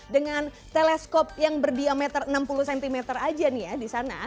dengan teleskop yang berdiameter enam puluh cm aja nih ya di sana